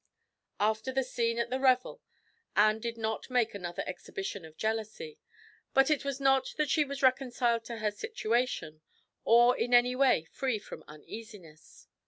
After the scene at the revel, Anne did not make another exhibition of jealousy; but it was not that she was reconciled to her situation, or in any way free from uneasiness.